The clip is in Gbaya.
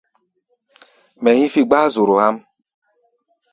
Mɛ hí̧fí̧ gbáá zoro há̧ʼm.